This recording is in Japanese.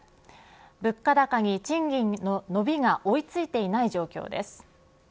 物価高に賃金の伸びが追いついていない状況です。